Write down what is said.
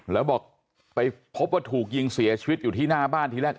แล้วบอกไปพบว่าถูกยิงเสียชีวิตอยู่ที่หน้าบ้านทีแรก